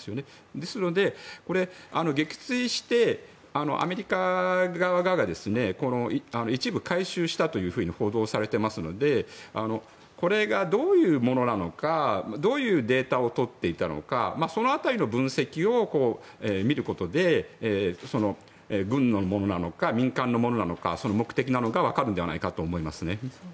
ですので、撃墜してアメリカ側が一部、回収したと報道されていますのでこれがどういうものなのかどういうデータを取っていたのかその辺りの分析を見ることで軍のものなのか民間のものなのかその目的などがわかると思いますね。